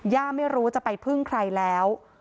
ไม่รู้จะไปพึ่งใครแล้ว